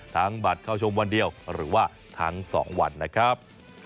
บัตรเข้าชมวันเดียวหรือว่าทั้ง๒วันนะครับ